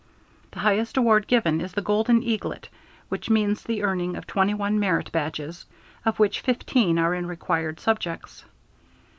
The highest award given is the Golden Eaglet, which means the earning of 21 Merit Badges, of which 15 are in required subjects.